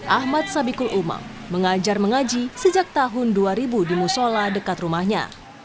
ahmad sabikul umam mengajar mengaji sejak tahun dua ribu di musola dekat rumahnya